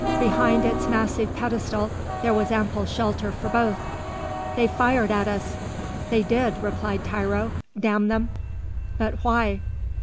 Behind its massive pedestal there was ample shelter for both. "They fired at us." "They did," replied Tiro. "Damn them!" "But why?"